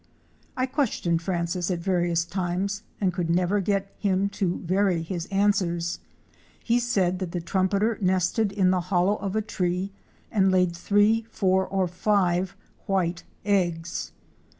I questioned Francis at various times and could never get him to vary his answers. He said that the Trumpeter nested in the hollow of a tree and laid three, four or five white eggs.